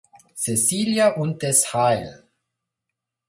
Cäcilia und des hl.